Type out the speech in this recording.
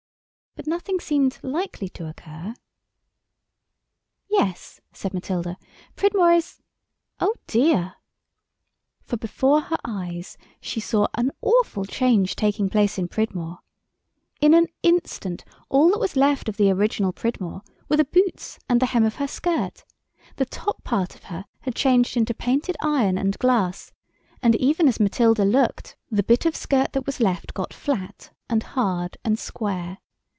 But nothing seemed likely to occur. "Yes," said Matilda, "Pridmore is—Oh, dear!" For before her eyes she saw an awful change taking place in Pridmore. In an instant all that was left of the original Pridmore were the boots and the hem of her skirt—the top part of her had changed into painted iron and glass, and even as Matilda looked the bit of skirt that was left got flat and hard and square.